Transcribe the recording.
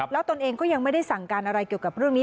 แล้วตนเองก็ยังไม่ได้สั่งการอะไรเกี่ยวกับเรื่องนี้